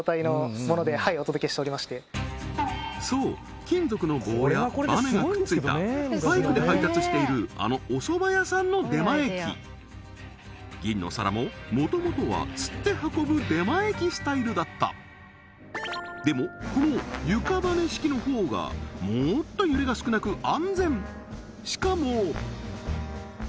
そう金属の棒やバネがくっついたバイクで配達しているあの銀のさらももともとはつって運ぶ出前機スタイルだったでもこの床バネ式のほうがもっと揺れが少なく安全！